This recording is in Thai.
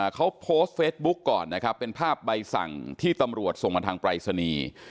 เขาโพสต์เฟซบุ๊กก่อนนะครับเป็นภาพใบสั่งที่ตำรวจส่งมาทางปรายศนีย์